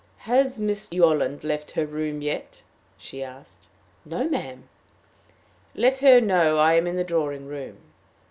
"Has Miss Yolland left her room yet?" she asked. "No, ma'am." "Let her know I am in the drawing room."